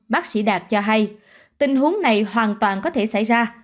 bác sĩ đạt cho hay tình huống này hoàn toàn có thể xảy ra